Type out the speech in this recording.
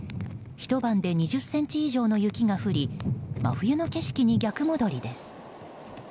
ひと晩で２０ｃｍ以上の雪が降り真冬の景色に逆戻りです。